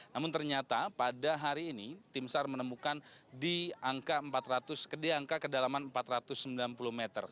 namun ternyata pada hari ini tim sar menemukan di angka kedalaman empat ratus sembilan puluh meter